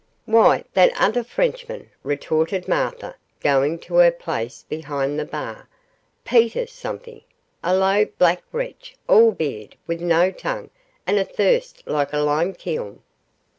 'Why, that other Frenchman!' retorted Martha, going to her place behind the bar, 'Peter something; a low, black wretch, all beard, with no tongue, and a thirst like a lime kiln.